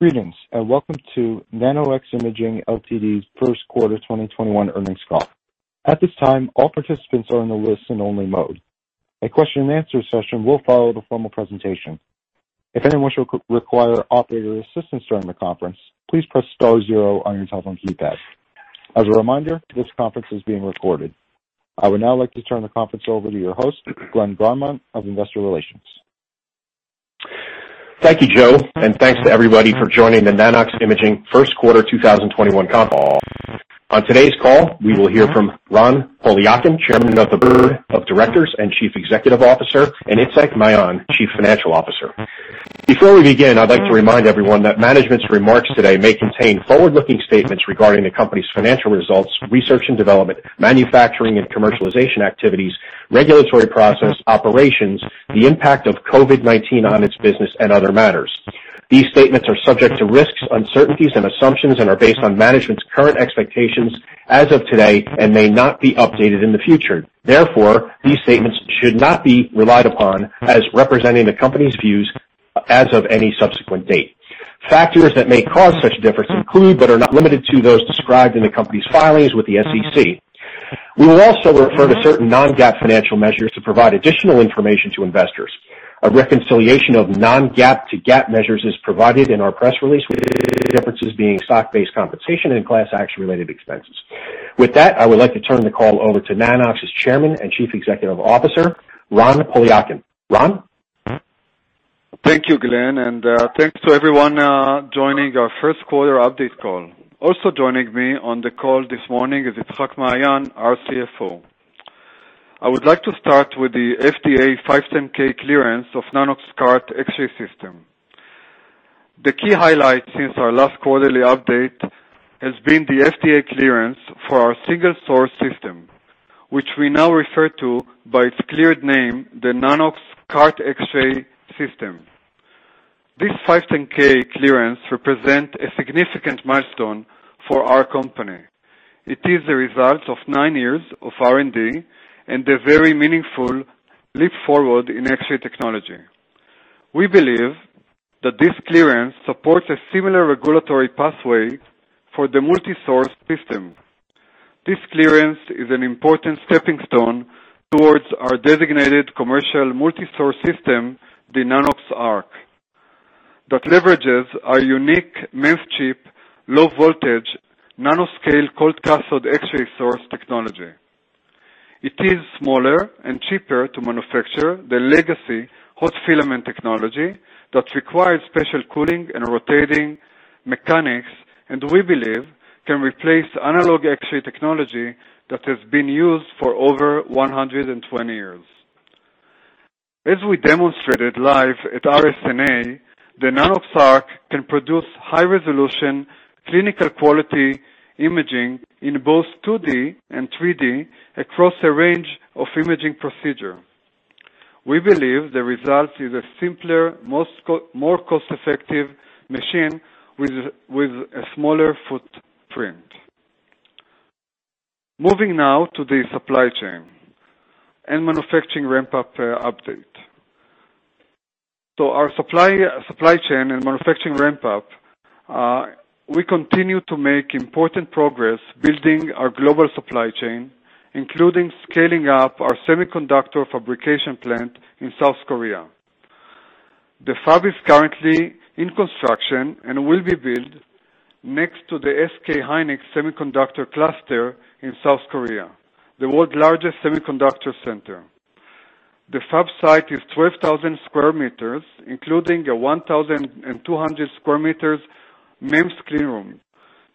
Greetings, and welcome to Nano-X Imaging Ltd's first quarter 2021 earnings call. At this time, all participants are in the listen-only mode. A question and answer session will follow the formal presentation. If anyone should require operator assistance during the conference, please press star zero on your telephone keypad. As a reminder, this conference is being recorded. I would now like to turn the conference over to your host, Glenn Garmont, of Investor Relations. Thank you, Joe, and thanks to everybody for joining the Nano-X Imaging first quarter 2021 call. On today's call, we will hear from Ran Poliakine, Chairman of the Board of Directors and Chief Executive Officer, and Itzhak Maayan, Chief Financial Officer. Before we begin, I'd like to remind everyone that management's remarks today may contain forward-looking statements regarding the company's financial results, research and development, manufacturing and commercialization activities, regulatory process, operations, the impact of COVID-19 on its business, and other matters. These statements are subject to risks, uncertainties and assumptions and are based on management's current expectations as of today and may not be updated in the future. Therefore, these statements should not be relied upon as representing the company's views as of any subsequent date. Factors that may cause such difference include, but are not limited to, those described in the company's filings with the SEC. We will also refer to certain Non-GAAP financial measures to provide additional information to investors. A reconciliation of Non-GAAP to GAAP measures is provided in our press release, with differences being stock-based compensation and class action-related expenses. With that, I would like to turn the call over to Nano-X's Chairman and Chief Executive Officer, Ran Poliakine. Ran? Thank you, Glenn, and thanks to everyone joining our first quarter update call. Also joining me on the call this morning is Itzhak Maayan, our CFO. I would like to start with the FDA 510 clearance of Nanox.CART X-Ray System. The key highlights since our last quarterly update has been the FDA clearance for our single-source system, which we now refer to by its cleared name, the Nanox.CART X-Ray System. This 510 clearance represent a significant milestone for our company. It is a result of nine years of R&D and a very meaningful leap forward in X-ray technology. We believe that this clearance supports a similar regulatory pathway for the multi-source system. This clearance is an important stepping stone towards our designated commercial multi-source system, the Nanox.ARC, that leverages our unique MEMS chip, low voltage, nanoscale, cold cathode X-ray source technology. It is smaller and cheaper to manufacture the legacy hot filament technology that requires special cooling and rotating mechanics, and we believe can replace analog X-ray technology that has been used for over 120 years. As we demonstrated live at RSNA, the Nanox.ARC can produce high-resolution, clinical quality imaging in both 2D and 3D across a range of imaging procedure. We believe the result is a simpler, more cost-effective machine with a smaller footprint. Moving now to the supply chain and manufacturing ramp-up update. Our supply chain and manufacturing ramp-up, we continue to make important progress building our global supply chain, including scaling up our semiconductor fabrication plant in South Korea. The fab is currently in construction and will be built next to the SK hynix semiconductor cluster in South Korea, the world's largest semiconductor center. The fab site is 12,000 sq m, including a 1,200 sq m MEMS clean room.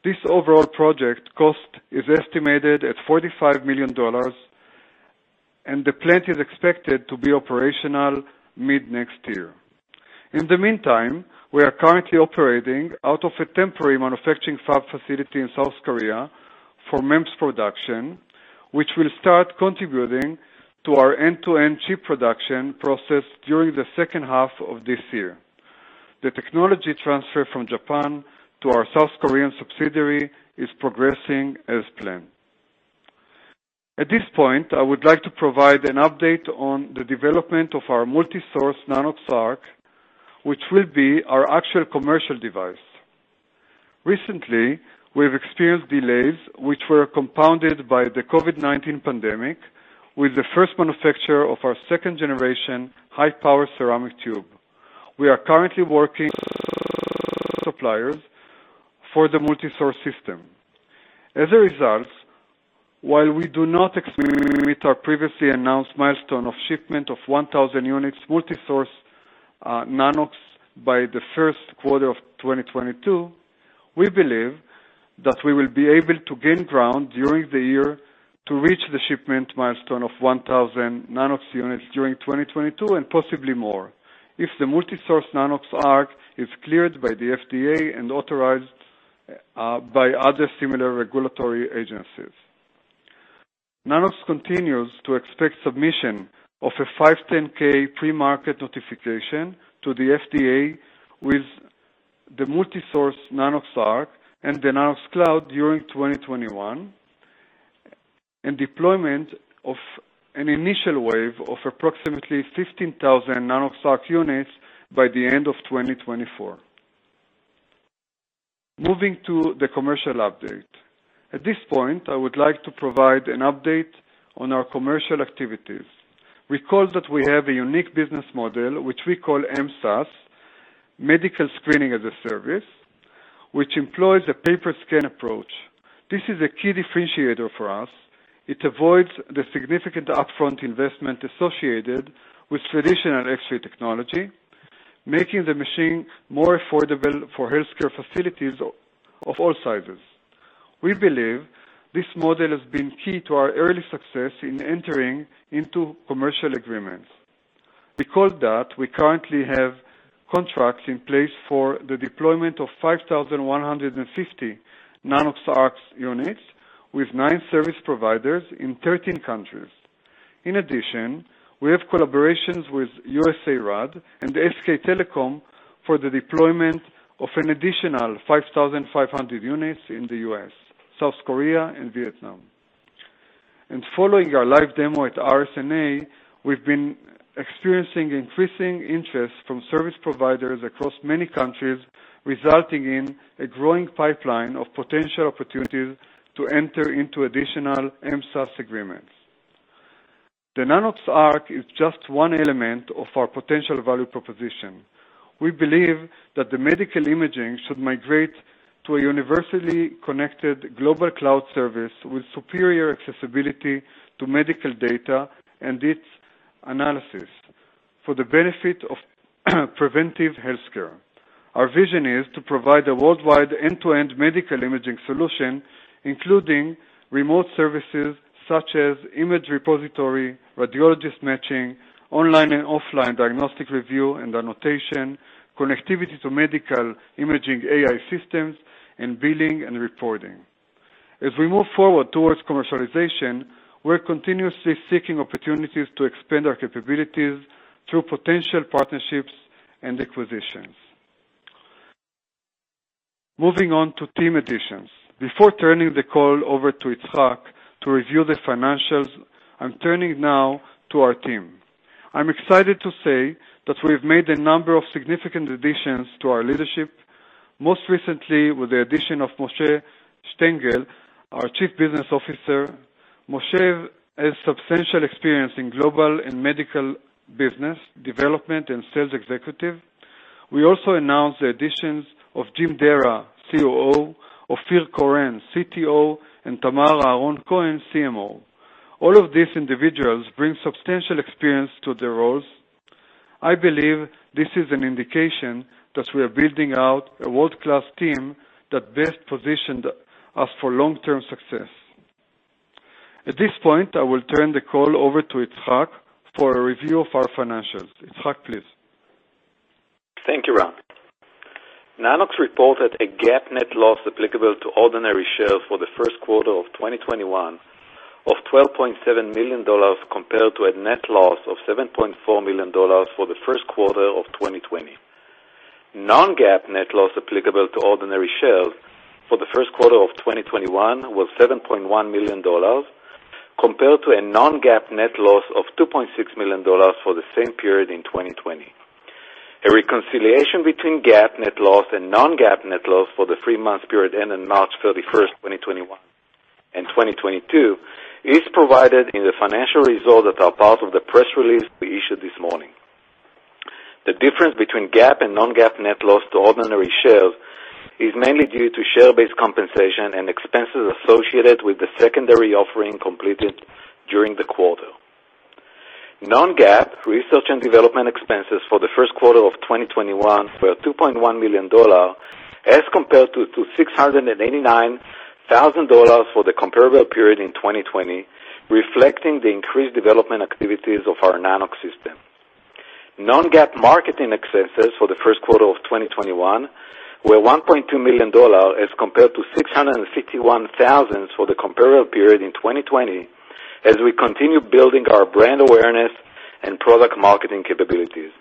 This overall project cost is estimated at $45 million, and the plant is expected to be operational mid-next year. In the meantime, we are currently operating out of a temporary manufacturing fab facility in South Korea for MEMS production, which will start contributing to our end-to-end chip production process during the second half of this year. The technology transfer from Japan to our South Korean subsidiary is progressing as planned. At this point, I would like to provide an update on the development of our multi-source Nanox.ARC, which will be our actual commercial device. Recently, we've experienced delays which were compounded by the COVID-19 pandemic with the first manufacturer of our second-generation high-power ceramic tube. We are currently working with suppliers for the multi-source system. As a result, while we do not expect our previously announced milestone of shipment of 1,000 units multi-source Nanox by the first quarter of 2022, we believe that we will be able to gain ground during the year to reach the shipment milestone of 1,000 Nanox units during 2022 and possibly more if the multi-source Nanox.ARC is cleared by the FDA and authorized by other similar regulatory agencies. Nanox continues to expect submission of a 510(k) premarket notification to the FDA with the multi-source Nanox.ARC and the Nanox.CLOUD during 2021. Deployment of an initial wave of approximately 15,000 Nanox.ARC units by the end of 2024. Moving to the commercial update. At this point, I would like to provide an update on our commercial activities. Recall that we have a unique business model, which we call MSaaS, Medical Screening as a Service, which employs a pay-per-scan approach. This is a key differentiator for us. It avoids the significant upfront investment associated with traditional X-ray technology, making the machine more affordable for healthcare facilities of all sizes. We believe this model has been key to our early success in entering into commercial agreements. Recall that we currently have contracts in place for the deployment of 5,150 Nanox.ARC units with nine service providers in 13 countries. In addition, we have collaborations with USARAD and SK Telecom for the deployment of an additional 5,500 units in the U.S., South Korea, and Vietnam. Following our live demo at RSNA, we've been experiencing increasing interest from service providers across many countries, resulting in a growing pipeline of potential opportunities to enter into additional MSaaS agreements. The Nanox.ARC is just one element of our potential value proposition. We believe that the medical imaging should migrate to a universally connected global cloud service with superior accessibility to medical data and its analysis for the benefit of preventive healthcare. Our vision is to provide a worldwide end-to-end medical imaging solution, including remote services such as image repository, radiologist matching, online and offline diagnostic review and annotation, connectivity to medical imaging AI systems, and billing and reporting. As we move forward towards commercialization, we're continuously seeking opportunities to expand our capabilities through potential partnerships and acquisitions. Moving on to team additions. Before turning the call over to Itzhak to review the financials, I'm turning now to our team. I'm excited to say that we've made a number of significant additions to our leadership, most recently with the addition of Moshe Shtengel, our Chief Business Officer. Moshe has substantial experience in global and medical business development and sales executive. We also announced the additions of Jim Dara, COO, Ofir Koren, CTO, and Tamar Aharon-Cohen, CMO. All of these individuals bring substantial experience to their roles. I believe this is an indication that we are building out a world-class team that best positioned us for long-term success. At this point, I will turn the call over to Itzhak for a review of our financials. Itzhak, please. Thank you, Ran. Nano-X reported a GAAP net loss applicable to ordinary shares for the first quarter of 2021 of $12.7 million, compared to a net loss of $7.4 million for the first quarter of 2020. Non-GAAP net loss applicable to ordinary shares for the first quarter of 2021 was $7.1 million, compared to a non-GAAP net loss of $2.6 million for the same period in 2020. A reconciliation between GAAP net loss and non-GAAP net loss for the three-month period ending March 31st, 2021 and 2022 is provided in the financial results that are part of the press release we issued this morning. The difference between GAAP and non-GAAP net loss to ordinary shares is mainly due to share-based compensation and expenses associated with the secondary offering completed during the quarter. Non-GAAP research and development expenses for the first quarter of 2021 were $2.1 million as compared to $689,000 for the comparable period in 2020, reflecting the increased development activities of our Nanox system. Non-GAAP marketing expenses for the first quarter of 2021 were $1.2 million as compared to $661,000 for the comparable period in 2020, as we continue building our brand awareness and product marketing capabilities.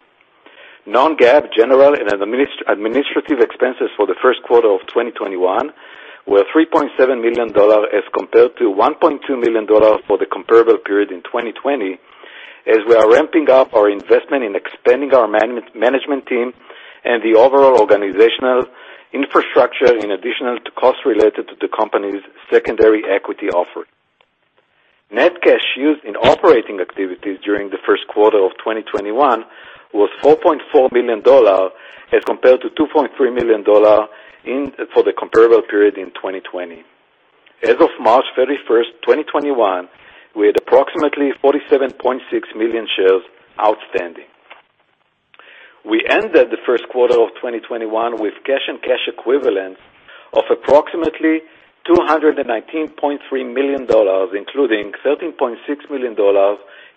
Non-GAAP general and administrative expenses for the first quarter of 2021 were $3.7 million as compared to $1.2 million for the comparable period in 2020, as we are ramping up our investment in expanding our management team and the overall organizational infrastructure in addition to costs related to the company's secondary equity offering. Net cash used in operating activities during the first quarter of 2021 was $4.4 million as compared to $2.3 million for the comparable period in 2020. As of March 31st, 2021, we had approximately 47.6 million shares outstanding. We ended the first quarter of 2021 with cash and cash equivalents of approximately $219.3 million, including $13.6 million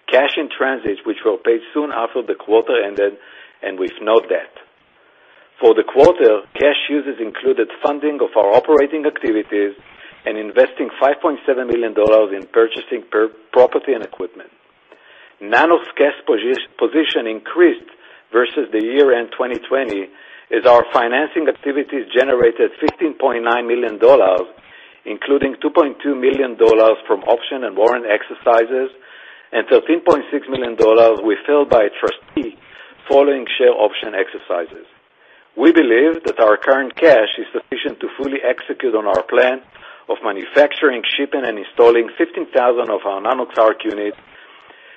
cash in transit, which were paid soon after the quarter ended and with no debt. For the quarter, cash uses included funding of our operating activities and investing $5.7 million in purchasing property and equipment. Nanox's cash position increased versus the year-end 2020, as our financing activities generated $15.9 million, including $2.2 million from option and warrant exercises and $13.6 million were filled by a trustee following share option exercises. We believe that our current cash is sufficient to fully execute on our plan of manufacturing, shipping, and installing 15,000 of our Nanox.ARC units,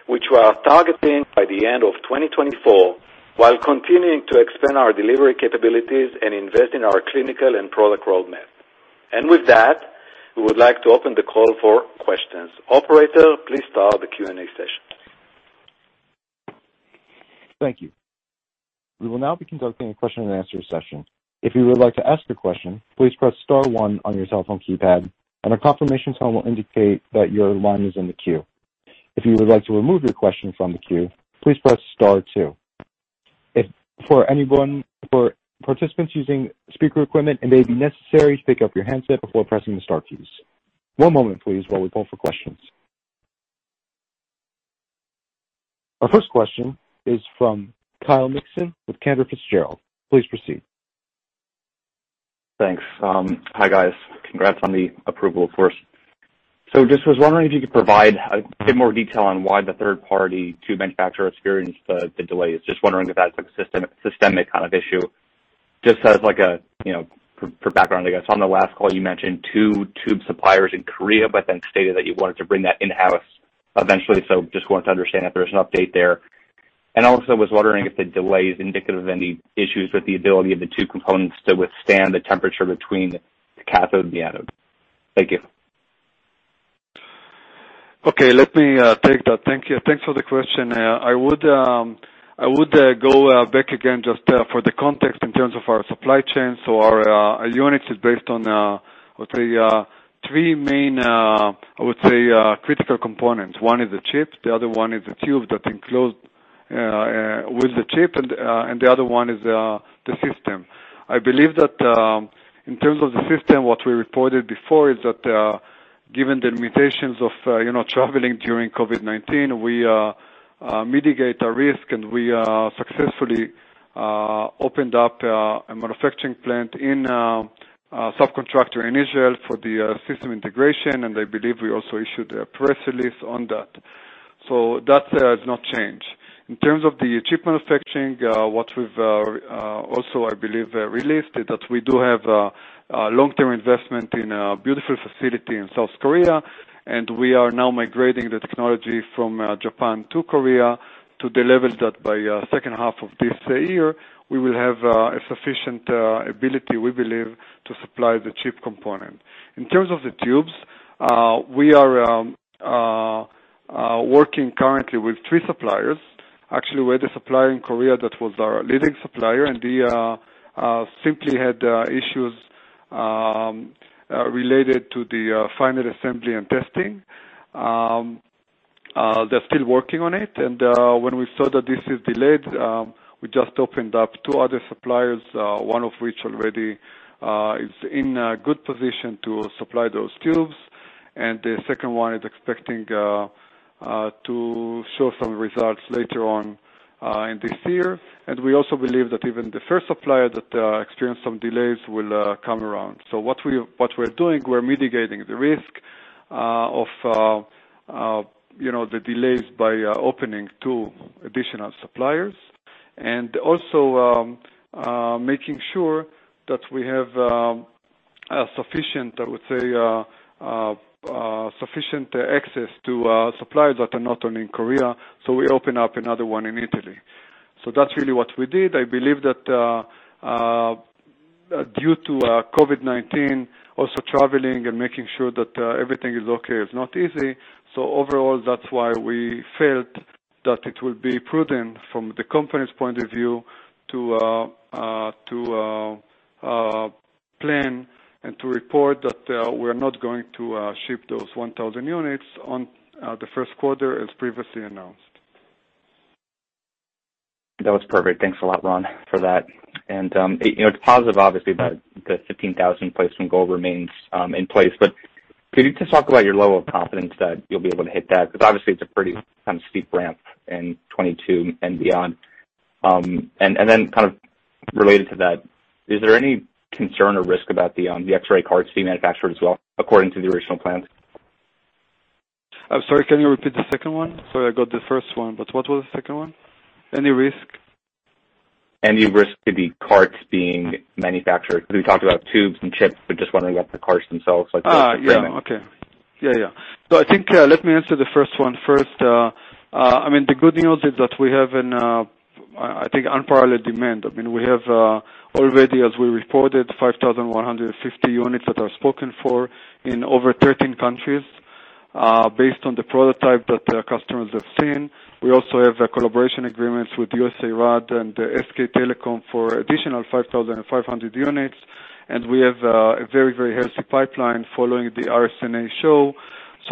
which we are targeting by the end of 2024, while continuing to expand our delivery capabilities and invest in our clinical and product roadmap. With that, we would like to open the call for questions. Operator, please start the Q&A session. Thank you. We'll now be conducting a question and answer session. If you would like to ask the question, please press star one on your telephone keypad, and a confirmation sound will indicate that your line is in the queue. If you would like to remove your question from the queue, please press star two. Participants using speaker equipment, it may be necessary to pick up your handset before pressing the star keys. One moment, please while we call for questions. Our first question is from Kyle Mikson with Cantor Fitzgerald. Please proceed. Thanks. Hi, guys. Congrats on the approval, of course. Just was wondering if you could provide a bit more detail on why the third party tube manufacturer experienced the delay. Just wondering if that's like a systemic kind of issue. Just as like for background, I guess, on the last call, you mentioned two tube suppliers in Korea, but then stated that you wanted to bring that in-house eventually. Just wanted to understand if there's an update there. Also was wondering if the delay is indicative of any issues with the ability of the two components to withstand the temperature between the cathode and the anode. Thank you. Okay, let me take that. Thank you. Thanks for the question. I would go back again just for the context in terms of our supply chain. Our units is based on, let's say, three main, I would say, critical components. One is the chips, the other one is the tube that's enclosed with the chip, and the other one is the system. I believe that, in terms of the system, what we reported before is that, given the limitations of traveling during COVID-19, we mitigate the risk, and we successfully opened up a manufacturing plant in a subcontractor in Israel for the system integration, and I believe we also issued a press release on that. That has not changed. In terms of the chip manufacturing, what we've also, I believe, released, is that we do have a long-term investment in a beautiful facility in South Korea, and we are now migrating the technology from Japan to Korea to deliver that by second half of this year. We will have a sufficient ability, we believe, to supply the chip component. In terms of the tubes, we are working currently with three suppliers. Actually, with the supplier in Korea, that was our leading supplier, and they simply had issues related to the final assembly and testing. They're still working on it, and when we saw that this is delayed, we just opened up two other suppliers, one of which already is in a good position to supply those tubes, and the second one is expecting to show some results later on in this year. We also believe that even the first supplier that experienced some delays will come around. What we're doing, we're mitigating the risk of the delays by opening two additional suppliers and also making sure that we have sufficient access to suppliers that are not only in Korea, so we open up another one in Italy. That's really what we did. I believe that due to COVID-19, also traveling and making sure that everything is okay is not easy. Overall, that's why we felt that it would be prudent from the company's point of view to plan and to report that we're not going to ship those 1,000 units on the first quarter as previously announced. That was perfect. Thanks a lot, Ran, for that. It's positive, obviously, that the 15,000 placement goal remains in place. Could you just talk about your level of confidence that you'll be able to hit that? Because obviously, it's a pretty steep ramp in 2022 and beyond. Then kind of related to that, is there any concern or risk about the X-ray carts being manufactured as well according to the original plans? I'm sorry, can you repeat the second one? Sorry, I got the first one. What was the second one? Any risk? Any risk of the carts being manufactured? We talked about tubes and chips, but just wondering about the carts themselves. I think, let me answer the first one first. I mean, the good news is that we have an, I think, unparalleled demand. I mean, we have already, as we reported, 5,150 units that are spoken for in over 13 countries based on the prototype that customers have seen. We have collaboration agreements with USARAD and SK Telecom for additional 5,500 units. We have a very healthy pipeline following the RSNA show.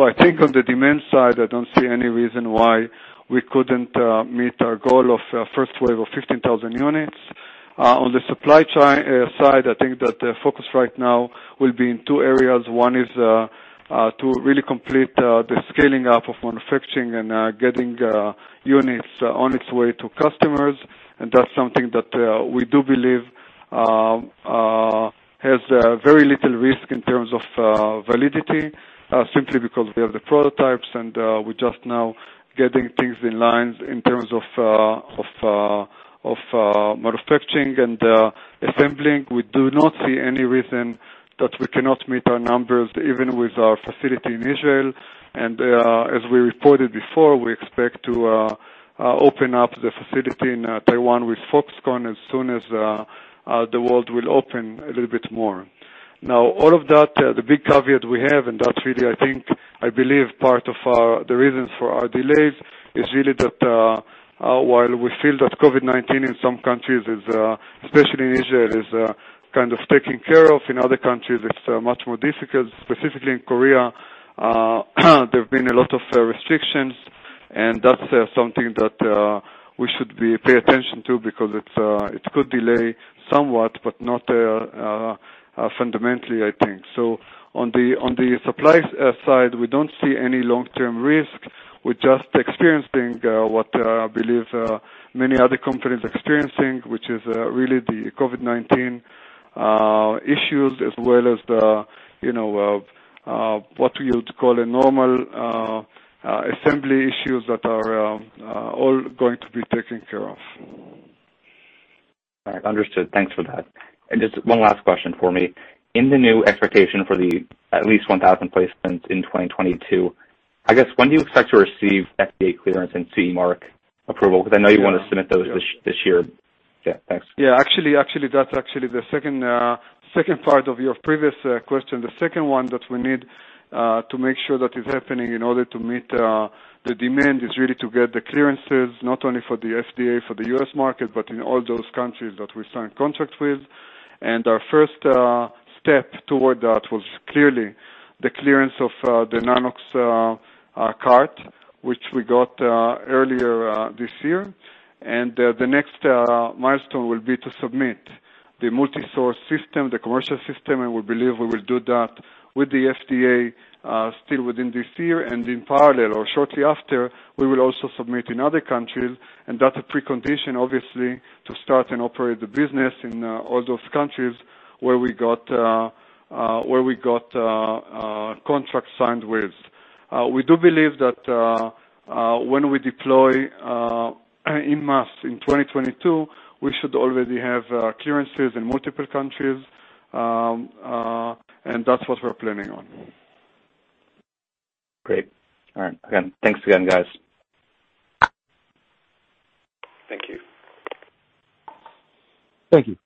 I think on the demand side, I don't see any reason why we couldn't meet our goal of first wave of 15,000 units. On the supply side, I think that the focus right now will be in two areas. One is to really complete the scaling up of manufacturing and getting units on its way to customers. That's something that we do believe has very little risk in terms of validity, simply because we have the prototypes, and we're just now getting things in line in terms of manufacturing and assembling. We do not see any reason that we cannot meet our numbers, even with our facility in Israel. As we reported before, we expect to open up the facility in Taiwan with Foxconn as soon as the world will open a little bit more. All of that, the big caveat we have, that's really, I think, I believe, part of the reasons for our delays, is really that while we feel that COVID-19 in some countries, especially in Israel, is kind of taken care of, in other countries, it's much more difficult. Specifically, in Korea, there have been a lot of restrictions. That's something that we should pay attention to because it could delay somewhat, but not fundamentally, I think. On the supply side, we don't see any long-term risk. We're just experiencing what I believe many other companies are experiencing, which is really the COVID-19 issues, as well as what you'd call normal assembly issues that are all going to be taken care of. All right. Understood. Thanks for that. Just one last question for me. In the new expectation for the at least 1,000 placements in 2022, I guess, when do you expect to receive FDA clearance and CE mark approval? Because I know you want to submit those this year. Yeah, thanks. Yeah. Actually, that's actually the second part of your previous question. The second one that we need to make sure that is happening in order to meet the demand is really to get the clearances, not only for the FDA, for the U.S. market, but in all those countries that we signed contracts with. Our first step toward that was clearly the clearance of the Nanox.CART, which we got earlier this year. The next milestone will be to submit the multi-source system, the commercial system, and we believe we will do that with the FDA still within this year. In parallel, or shortly after, we will also submit in other countries, and that's a precondition, obviously, to start and operate the business in all those countries where we got contracts signed with. We do believe that when we deploy en masse in 2022, we should already have clearances in multiple countries, and that's what we're planning on. Great. All right. Again, thanks again, guys. Thank you. Thank you.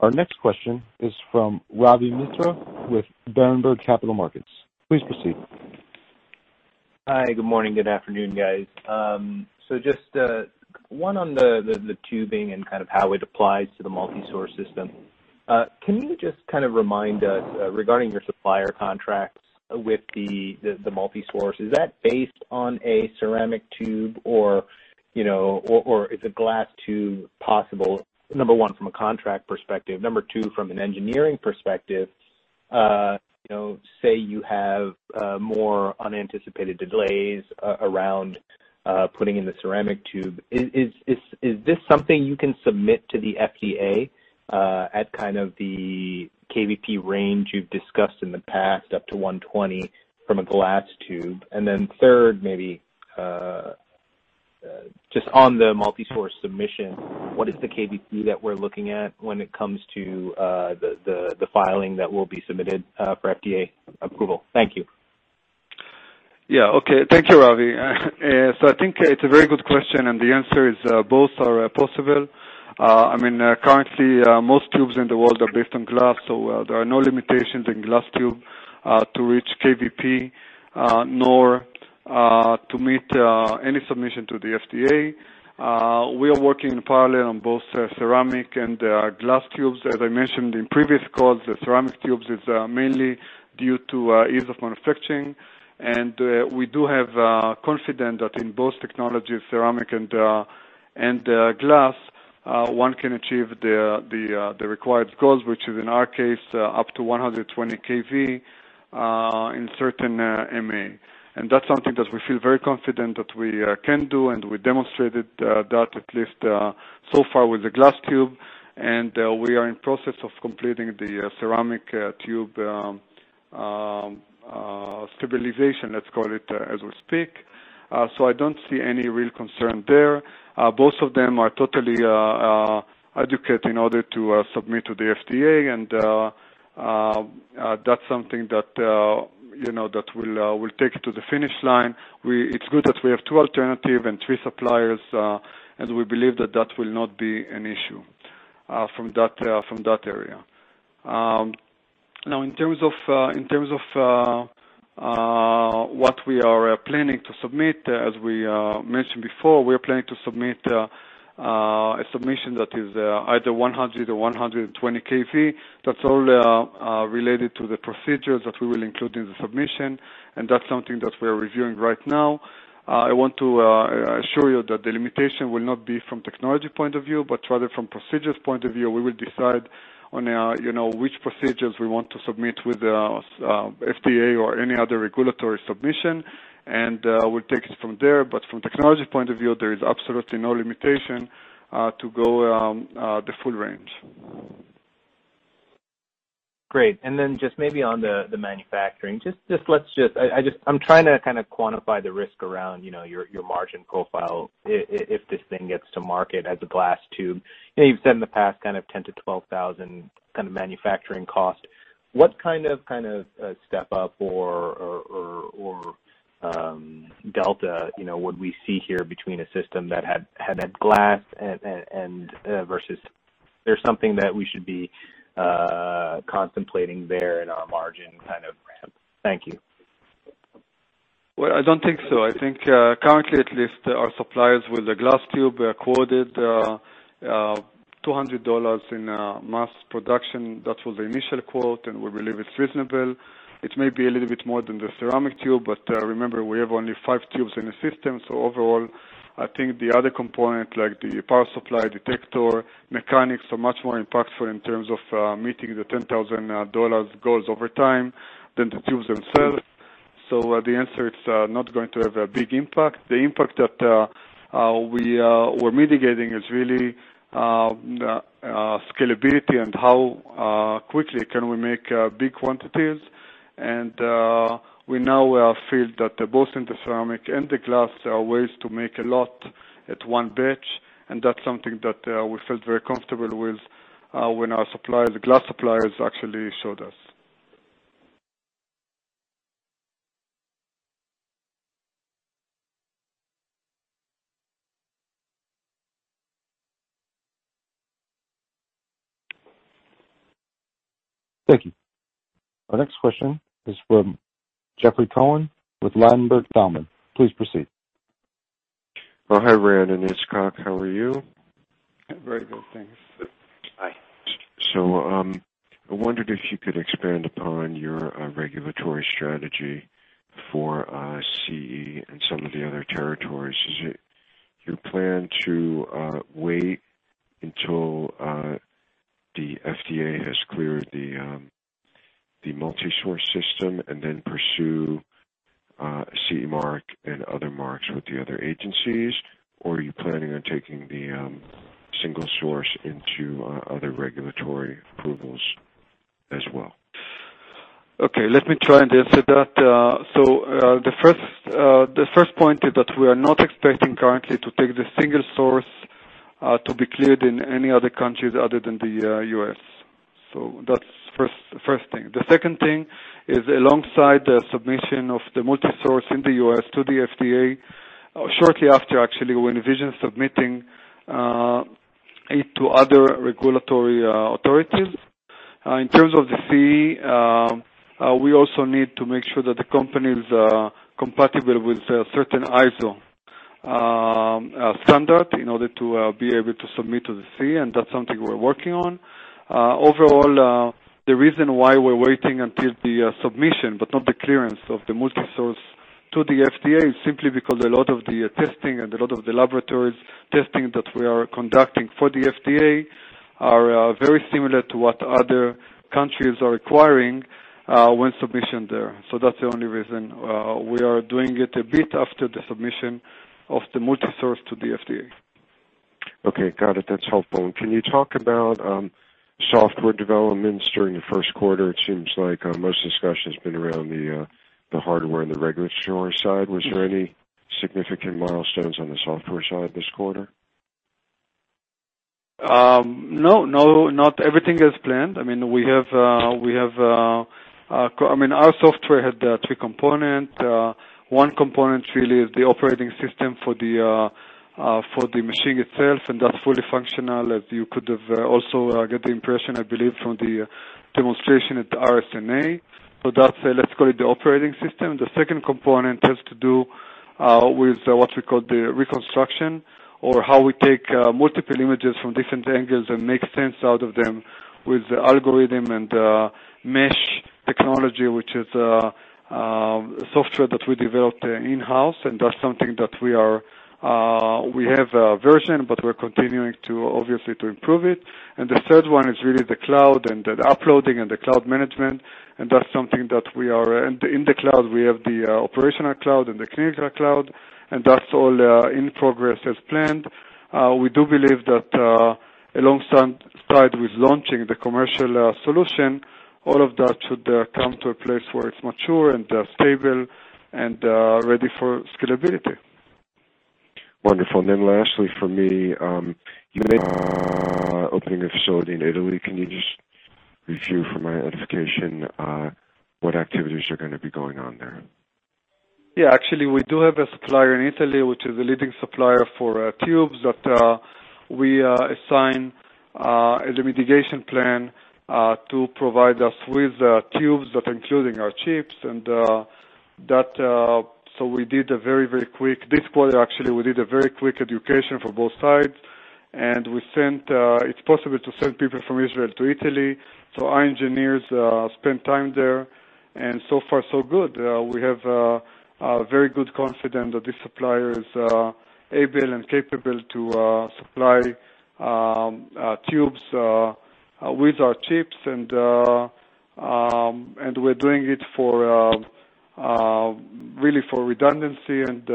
Our next question is from Ravi Misra with Berenberg Capital Markets. Please proceed. Hi. Good morning, good afternoon, guys. Just one on the tubing and kind of how it applies to the multi-source system. Can you just kind of remind us, regarding your supplier contracts with the multi-source, is that based on a ceramic tube, or is a glass tube possible, number one, from a contract perspective? Number two, from an engineering perspective, say you have more unanticipated delays around putting in the ceramic tube. Is this something you can submit to the FDA at kind of the kVp range you've discussed in the past, up to 120 from a glass tube? Then third, maybe, just on the multi-source submission, what is the kVp that we're looking at when it comes to the filing that will be submitted for FDA approval? Thank you. Thank you, Ravi. I think it's a very good question, and the answer is, both are possible. Currently, most tubes in the world are based on glass, there are no limitations in glass tube to reach kVp, nor to meet any submission to the FDA. We are working in parallel on both ceramic and glass tubes. As I mentioned in previous calls, the ceramic tubes is mainly due to ease of manufacturing, we do have confidence that in both technologies, ceramic and glass, one can achieve the required goals, which is, in our case, up to 120 kV in certain mA. That's something that we feel very confident that we can do, we demonstrated that at least so far with the glass tube. We are in process of completing the ceramic tube stabilization, let's call it, as we speak. I don't see any real concern there. Both of them are totally adequate in order to submit to the FDA, and that's something that we'll take it to the finish line. It's good that we have two alternatives and three suppliers, as we believe that that will not be an issue from that area. In terms of what we are planning to submit, as we mentioned before, we are planning to submit a submission that is either 100 kV or 120 kV. That's all related to the procedures that we will include in the submission, and that's something that we're reviewing right now. I want to assure you that the limitation will not be from technology point of view, but rather from procedures point of view. We will decide on which procedures we want to submit with the FDA or any other regulatory submission, and we'll take it from there. From technology point of view, there is absolutely no limitation to go the full range. Great. Then just maybe on the manufacturing, I'm trying to kind of quantify the risk around your margin profile, if this thing gets to market as a glass tube. You've said in the past kind of $10,000-$12,000 kind of manufacturing cost. What kind of step-up or delta would we see here between a system that had that glass? Is there something that we should be contemplating there in our margin ramp? Thank you. Well, I don't think so. I think currently, at least, our suppliers with the glass tube quoted $200 in mass production. That was the initial quote, and we believe it's reasonable. It may be a little bit more than the ceramic tube, but remember, we have only five tubes in the system. So overall, I think the other component, like the power supply, detector, mechanics, are much more impactful in terms of meeting the $10,000 goals over time than the tubes themselves. The answer, it's not going to have a big impact. The impact that we're mitigating is really scalability and how quickly can we make big quantities. And we now feel that both in the ceramic and the glass, there are ways to make a lot at one batch, and that's something that we felt very comfortable with when our glass suppliers actually showed us. Thank you. Our next question is from Jeffrey Cohen with Ladenburg Thalmann. Please proceed. Oh, hi, Ran and Itzhak. How are you? Very good, thanks. Hi. I wondered if you could expand upon your regulatory strategy for CE and some of the other territories. Is it your plan to wait until the FDA has cleared the multi-source system and then pursue CE mark and other marks with the other agencies? Or are you planning on taking the single-source into other regulatory approvals as well? Okay, let me try and answer that. The first point is that we are not expecting currently to take the single-source to be cleared in any other countries other than the U.S. The second thing is alongside the submission of the multi-source in the U.S. to the FDA, shortly after actually, we envision submitting it to other regulatory authorities. In terms of the CE, we also need to make sure that the company is compatible with a certain ISO standard in order to be able to submit to the CE, and that's something we're working on. Overall, the reason why we're waiting until the submission, but not the clearance of the multi-source to the FDA, is simply because a lot of the testing and a lot of the laboratory testing that we are conducting for the FDA are very similar to what other countries are requiring when submission there. That's the only reason we are doing it a bit after the submission of the multi-source to the FDA. Okay, got it. That's helpful. Can you talk about software developments during the first quarter? It seems like most discussion has been around the hardware and the regulatory side. Was there any significant milestones on the software side this quarter? No, not everything is planned. Our software had three components. One component really is the operating system for the machine itself, and that's fully functional, as you could have also get the impression, I believe, from the demonstration at the RSNA. That's, let's call it, the operating system. The second component has to do with what we call the reconstruction, or how we take multiple images from different angles and make sense out of them with algorithm and mesh technology, which is a software that we developed in-house, and that's something that we have a version, but we're continuing to, obviously, improve it. The third one is really the cloud and the uploading and the cloud management. In the cloud, we have the operational cloud and the clinical cloud, and that's all in progress as planned. We do believe that alongside with launching the commercial solution, all of that should come to a place where it's mature and stable and ready for scalability. Wonderful. Lastly from me, you made a opening of facility in Italy. Can you just review for my edification what activities are going to be going on there? Yeah. Actually, we do have a supplier in Italy, which is a leading supplier for tubes that we assign as a mitigation plan to provide us with tubes that including our chips. We did a very quick, this quarter, actually, we did a very quick education for both sides, and it's possible to send people from Israel to Italy. Our engineers spent time there, and so far, so good. We have very good confidence that this supplier is able and capable to supply tubes with our chips. We're doing it really for redundancy and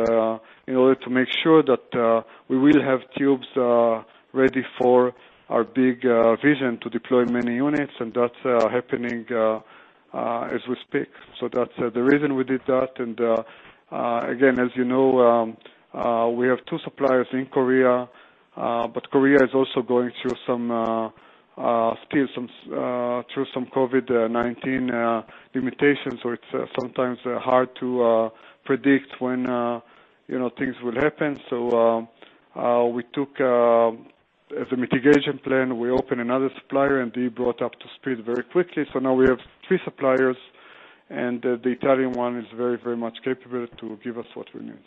in order to make sure that we will have tubes ready for our big vision to deploy many units. That's happening as we speak. That's the reason we did that, and again, as you know, we have two suppliers in Korea, but Korea is also going through some COVID-19 limitations, so it's sometimes hard to predict when things will happen. As a mitigation plan, we open another supplier, and he brought up to speed very quickly. Now we have three suppliers, and the Italian one is very much capable to give us what we need.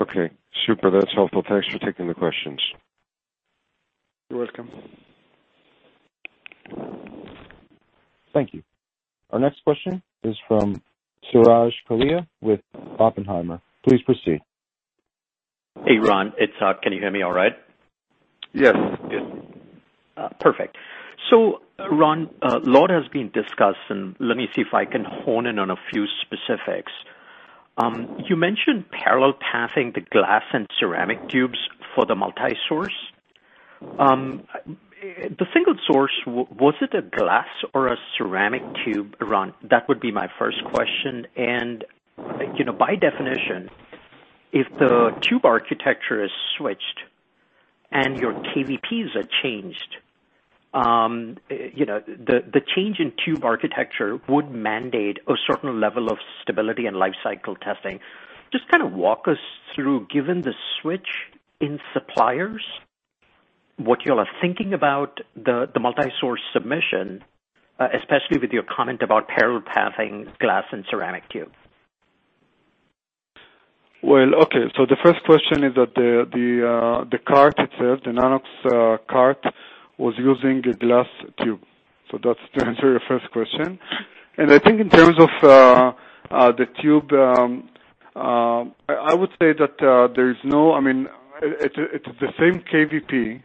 Okay. Super. That's helpful. Thanks for taking the questions. You're welcome. Thank you. Our next question is from Suraj Kalia with Oppenheimer. Please proceed. Hey, Ran, can you hear me all right? Yes. Perfect. Ran, a lot has been discussed, and let me see if I can hone in on a few specifics. You mentioned parallel pathing the glass and ceramic tubes for the multi-source. The single source, was it a glass or a ceramic tube, Ran? That would be my first question. By definition, if the tube architecture is switched and your kVps are changed, the change in tube architecture would mandate a certain level of stability and life cycle testing. Just kind of walk us through, given the switch in suppliers, what you all are thinking about the multi-source submission, especially with your comment about parallel pathing glass and ceramic tubes. Well, okay. The first question is that the cart itself, the Nanox.CART, was using a glass tube. I think in terms of the tube, I would say that it's the same kVp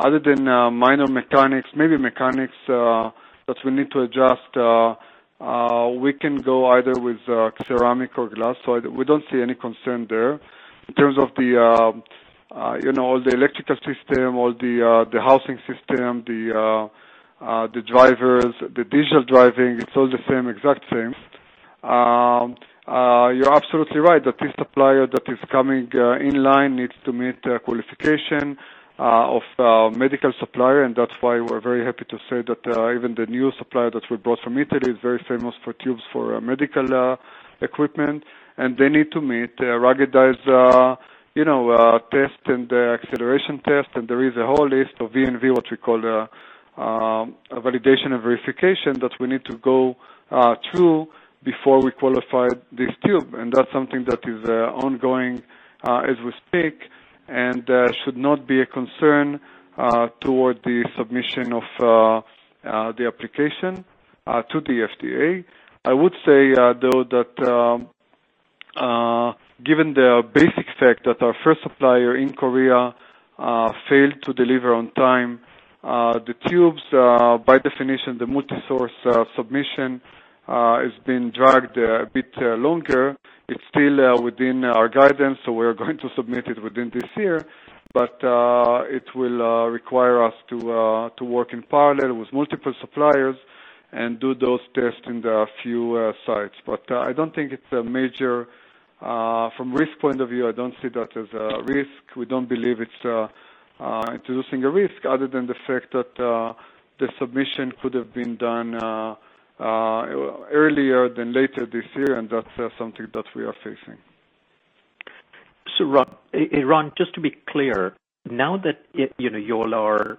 other than minor mechanics, maybe mechanics that we need to adjust. We can go either with ceramic or glass, we don't see any concern there. In terms of the electrical system or the housing system, the drivers, the digital driving, it's all the same, exact same. You're absolutely right that this supplier that is coming in line needs to meet qualification of medical supplier. That's why we're very happy to say that even the new supplier that we brought from Italy is very famous for tubes for medical equipment. They need to meet ruggedized test and acceleration test. There is a whole list of V&V, what we call a validation and verification, that we need to go through before we qualify this tube. That's something that is ongoing as we speak and should not be a concern toward the submission of the application to the FDA. I would say, though, that given the basic fact that our first supplier in Korea failed to deliver on time the tubes, by definition, the multi-source submission has been dragged a bit longer. It's still within our guidance, so we're going to submit it within this year, but it will require us to work in parallel with multiple suppliers and do those tests in the few sites. From risk point of view, I don't see that as a risk. We don't believe it's introducing a risk other than the fact that the submission could have been done earlier than later this year, and that's something that we are facing. Ran, just to be clear, now that you all are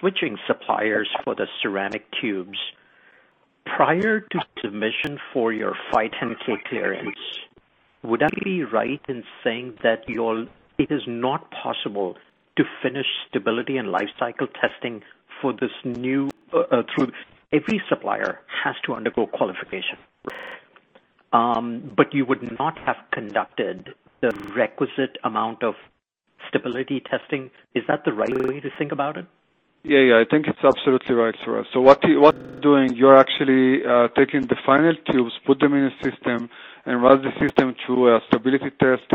switching suppliers for the ceramic tubes, prior to submission for your 510 clearance, would I be right in saying that it is not possible to finish stability and life cycle testing for this new tube? Every supplier has to undergo qualification, right? You would not have conducted the requisite amount of stability testing. Is that the right way to think about it? Yeah. I think it's absolutely right, Suraj. What you're doing, you're actually taking the final tubes, put them in a system, and run the system through a stability test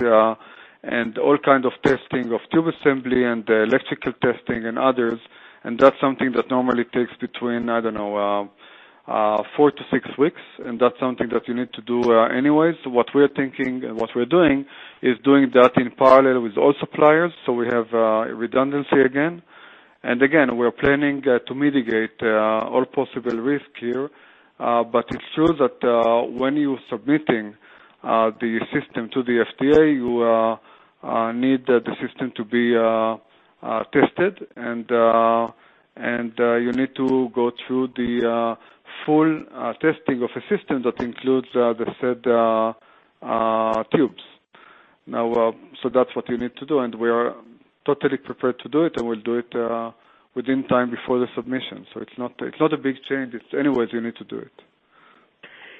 and all kind of testing of tube assembly and electrical testing and others, and that's something that normally takes between, I don't know, four to six weeks, and that's something that you need to do anyways. What we're thinking and what we're doing is doing that in parallel with all suppliers, so we have redundancy again. Again, we're planning to mitigate all possible risk here. It's true that when you're submitting the system to the FDA, you need the system to be tested, and you need to go through the full testing of a system that includes the said tubes. That's what you need to do, and we are totally prepared to do it, and we'll do it within time before the submission. It's not a big change. Anyways, you need to do it.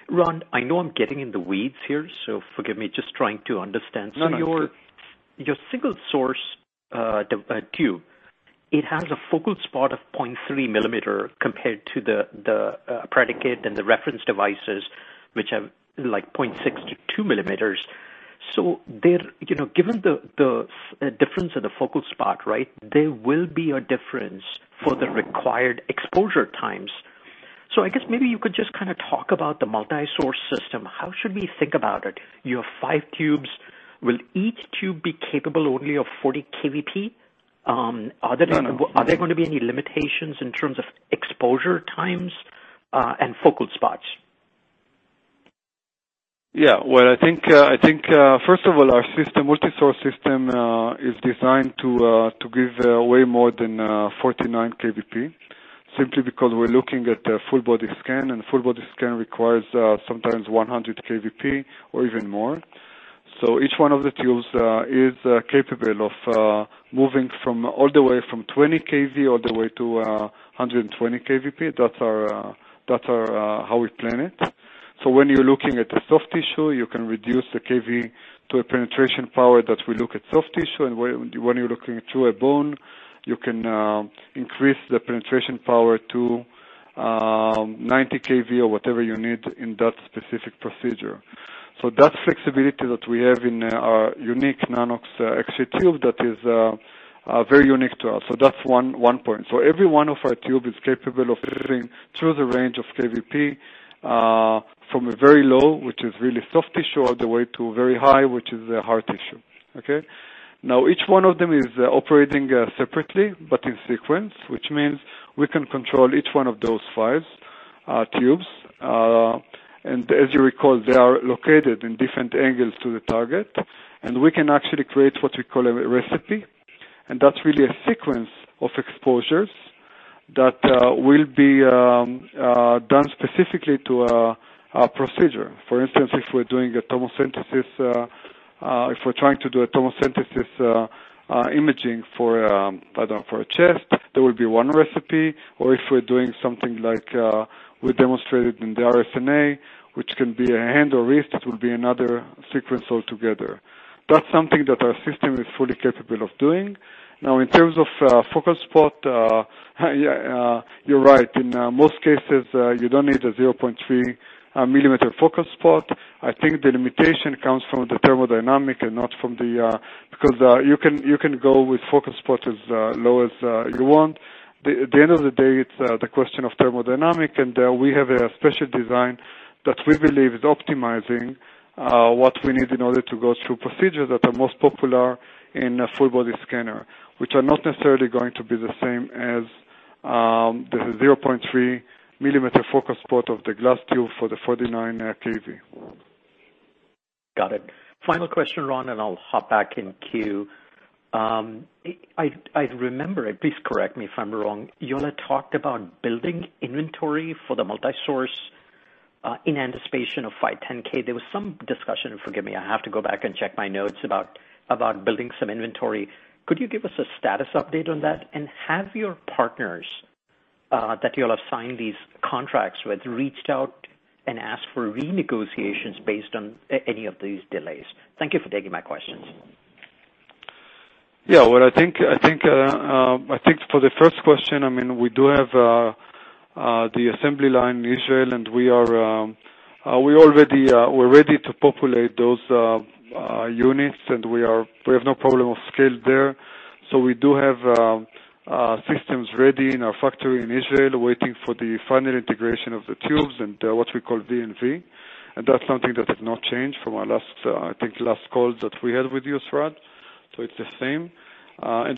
Ran, I know I'm getting in the weeds here, so forgive me. Just trying to understand. No, I understand. Your single source tube, it has a focal spot of 0.3 mm compared to the predicate and the reference devices, which have 0.6 mm-2 mm. Given the difference in the focal spot, right, there will be a difference for the required exposure times. I guess maybe you could just talk about the multi-source system. How should we think about it? You have five tubes. Will each tube be capable only of 40 kVp? No. Are there going to be any limitations in terms of exposure times, and focal spots? Well, I think, first of all, our multi-source system is designed to give way more than 49 kVp simply because we're looking at a full body scan. Full body scan requires sometimes 100 kVp or even more. Each one of the tubes is capable of moving all the way from 20 kV all the way to 120 kVp. That's how we plan it. When you're looking at the soft tissue, you can reduce the kV to a penetration power that will look at soft tissue. When you're looking through a bone, you can increase the penetration power to 90 kV or whatever you need in that specific procedure. That flexibility that we have in our unique Nanox X-ray tube, that is very unique to us. That's one point. Every one of our tube is capable of fitting through the range of kVp, from a very low, which is really soft tissue, all the way to very high, which is the hard tissue. Okay? Now, each one of them is operating separately but in sequence, which means we can control each one of those five tubes. As you recall, they are located in different angles to the target. We can actually create what we call a recipe, and that's really a sequence of exposures that will be done specifically to a procedure. For instance, if we're trying to do a tomosynthesis imaging for a chest, there will be one recipe. If we're doing something like we demonstrated in the RSNA, which can be a hand or wrist, it will be another sequence altogether. That's something that our system is fully capable of doing. Now, in terms of focal spot, you're right. In most cases, you don't need a 0.3 mm focal spot. I think the limitation comes from the thermodynamics. Because you can go with focal spot as low as you want. At the end of the day, it's the question of thermodynamics, and we have a special design that we believe is optimizing what we need in order to go through procedures that are most popular in a full body scanner, which are not necessarily going to be the same as the 0.3 mm focal spot of the glass tube for the 49 kV. Got it. Final question, Ran, and I'll hop back in queue. I remember, and please correct me if I'm wrong, you all had talked about building inventory for the multi-source in anticipation of 510(k). There was some discussion, forgive me, I have to go back and check my notes, about building some inventory. Could you give us a status update on that? Have your partners that you all have signed these contracts with, reached out and asked for renegotiations based on any of these delays? Thank you for taking my questions. Well, I think for the first question, we do have the assembly line in Israel. We're ready to populate those units. We have no problem of scale there. We do have systems ready in our factory in Israel waiting for the final integration of the tubes and what we call V&V. That's something that has not changed from, I think, last call that we had with you, Suraj. It's the same.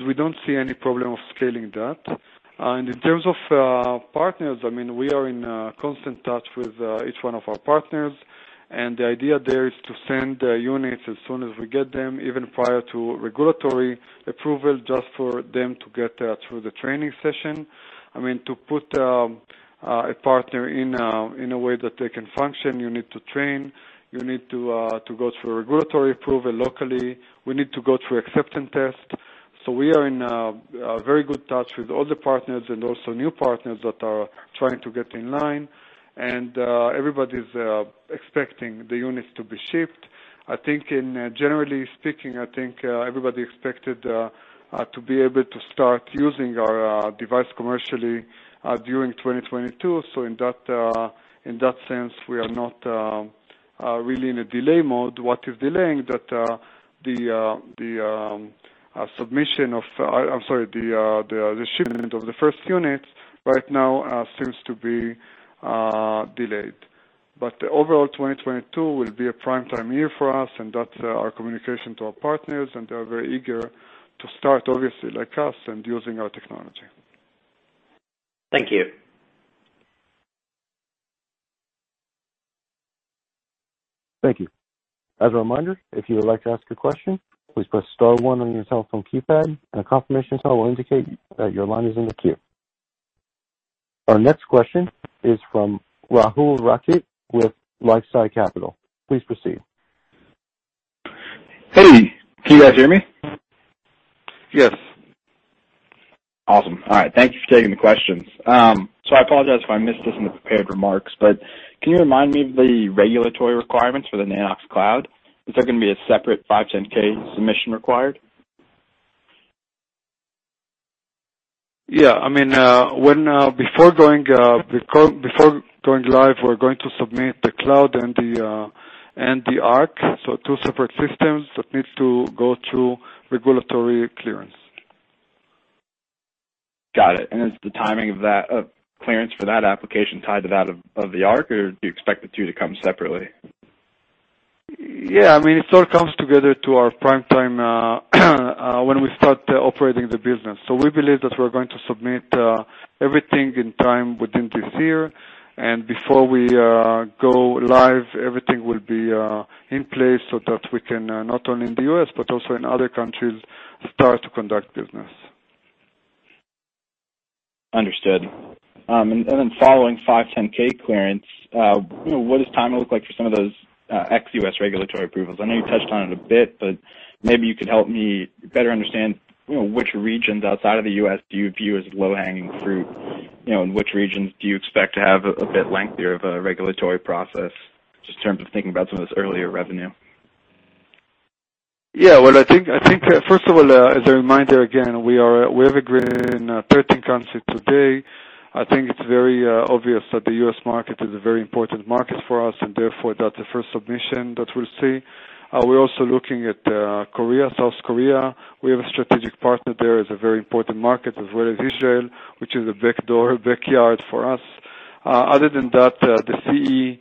We don't see any problem of scaling that. In terms of partners, we are in constant touch with each one of our partners. The idea there is to send the units as soon as we get them, even prior to regulatory approval, just for them to get through the training session. To put a partner in a way that they can function, you need to train, you need to go through regulatory approval locally. We need to go through acceptance test. We are in very good touch with all the partners and also new partners that are trying to get in line. Everybody's expecting the units to be shipped. Generally speaking, I think everybody expected to be able to start using our device commercially during 2022. In that sense, we are not really in a delay mode. What is delaying that the shipment of the first units right now seems to be delayed. Overall, 2022 will be a primetime year for us, and that's our communication to our partners, and they are very eager to start, obviously, like us, and using our technology. Thank you. Thank you. As a reminder, if you would like to ask a question, please press star one on your telephone keypad and a confirmation tone will indicate that your line is in the queue. Our next question is from Rahul Rakhit with LifeSci Capital. Please proceed. Hey, can you guys hear me? Yes. Awesome. All right. Thank you for taking the questions. I apologize if I missed this in the prepared remarks, but can you remind me of the regulatory requirements for the Nanox.CLOUD? Is there going to be a separate 510(k) submission required? Yeah. Before going live, we're going to submit the Nanox.CLOUD and the Nanox.ARC, so two separate systems that need to go through regulatory clearance. Got it. Is the timing of clearance for that application tied to that of the ARC, or do you expect the two to come separately? Yeah. It sort of comes together to our primetime when we start operating the business. We believe that we're going to submit everything in time within this year. Before we go live, everything will be in place so that we can, not only in the U.S. but also in other countries, start to conduct business. Understood. Following 510(k) clearance, what does timing look like for some of those ex-U.S. regulatory approvals? I know you touched on it a bit, maybe you could help me better understand which regions outside of the U.S. do you view as low-hanging fruit, and which regions do you expect to have a bit lengthier of a regulatory process, just in terms of thinking about some of this earlier revenue? Yeah. Well, I think, first of all, as a reminder, again, we have agreement in 13 countries today. I think it's very obvious that the U.S. market is a very important market for us, and therefore, that's the first submission that we'll see. We're also looking at South Korea. We have a strategic partner there. It's a very important market, as well as Israel, which is a backyard for us. Other than that, the CE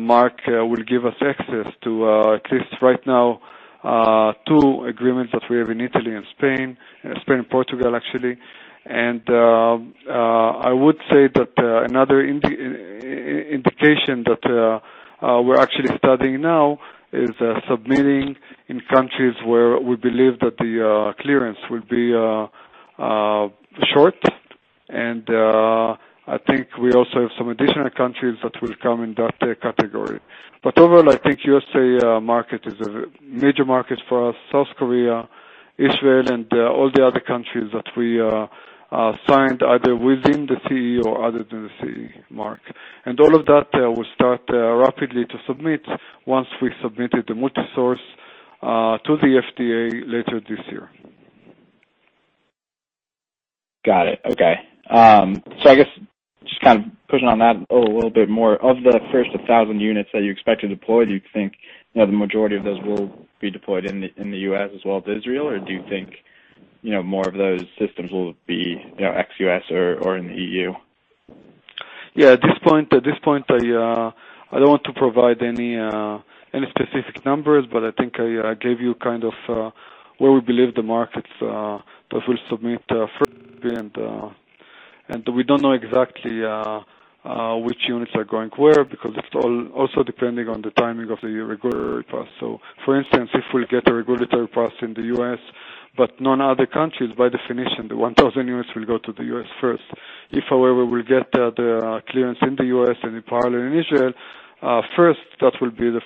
mark will give us access to at least right now, two agreements that we have in Italy and Spain. Spain and Portugal, actually. I would say that another indication that we're actually studying now is submitting in countries where we believe that the clearance will be short. I think we also have some additional countries that will come in that category. Overall, I think U.S. market is a major market for us, South Korea, Israel, and all the other countries that we signed either within the CE or other than the CE mark. All of that, we start rapidly to submit once we submitted the multi-source to the FDA later this year. Got it. Okay. I guess just kind of pushing on that a little bit more. Of the first 1,000 units that you expect to deploy, do you think the majority of those will be deployed in the U.S. as well as Israel, or do you think more of those systems will be ex-U.S. or in the EU? Yeah. At this point, I don't want to provide any specific numbers, but I think I gave you kind of where we believe the markets that we'll submit first, and we don't know exactly which units are going where, because it's also depending on the timing of the regulatory process. For instance, if we'll get a regulatory process in the U.S. but none other countries, by definition, the 1,000 units will go to the U.S. first. If, however, we get the clearance in the U.S. and in parallel in Israel first, that will be the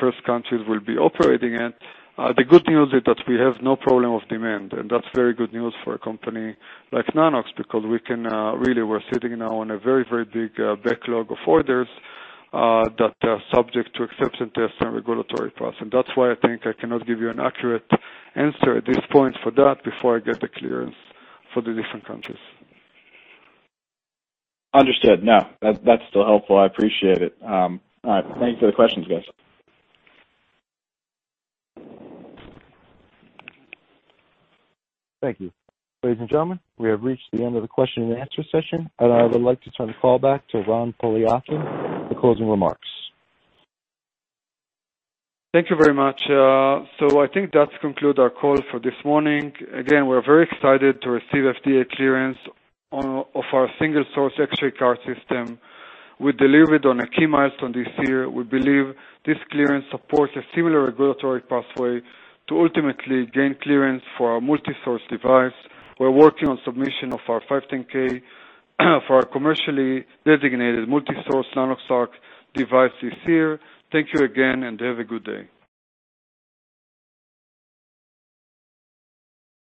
first countries we'll be operating in. The good news is that we have no problem of demand, and that's very good news for a company like Nanox, because we're sitting now on a very, very big backlog of orders that are subject to acceptance test and regulatory process, and that's why I think I cannot give you an accurate answer at this point for that before I get the clearance for the different countries. Understood. No, that's still helpful. I appreciate it. All right. Thank you for the questions, guys. Thank you. Ladies and gentlemen, we have reached the end of the question and answer session, and I would like to turn the call back to Ran Poliakine for closing remarks. Thank you very much. I think that concludes our call for this morning. Again, we're very excited to receive FDA clearance of our single-source X-ray cart system. We delivered on a key milestone this year. We believe this clearance supports a similar regulatory pathway to ultimately gain clearance for our multi-source device. We're working on submission of our 510(k) for our commercially designated multi-source Nanox.ARC device this year. Thank you again, and have a good day.